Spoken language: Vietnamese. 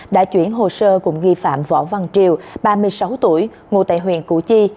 đã chuyển hồ sơ của nghi phạm võ văn triều ba mươi sáu tuổi ngủ tại huyện củ chi